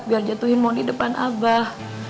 biar jatuhin moni depan abah